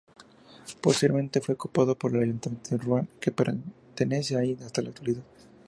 Posteriormente fue ocupado por el Ayuntamiento de Ruan, que permanece allí hasta la actualidad.